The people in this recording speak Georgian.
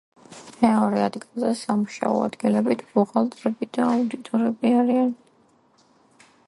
მეორე ადგილზე სამუშაო ადგილებით ბუღალტრები და აუდიტორები არიან.